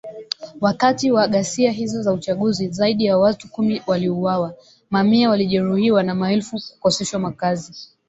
Wakati wa ghasia hizo za uchaguzi, zaidi ya watu kumi waliuawa, mamia walijeruhiwa na maelfu kukoseshwa makazi.